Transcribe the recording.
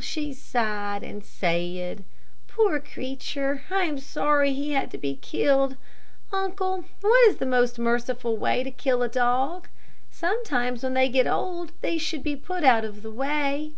She sighed and said: "Poor creature, I am sorry he had to be killed. Uncle, what is the most merciful way to kill a dog? Sometimes, when they get old, they should be put out of the way."